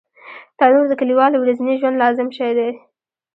تنور د کلیوالو ورځني ژوند لازم شی دی